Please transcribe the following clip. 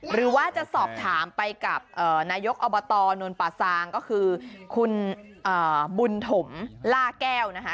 หรือว่าจะสอบถามไปกับนายกอบตนวลป่าซางก็คือคุณบุญถมล่าแก้วนะคะ